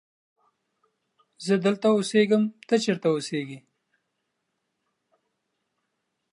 زه دلته اسیږم ته چیرت اوسیږی